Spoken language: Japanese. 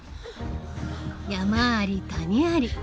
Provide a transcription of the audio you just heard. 山あり谷あり。